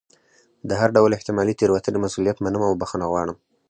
د هر ډول احتمالي تېروتنې مسؤلیت منم او بښنه غواړم.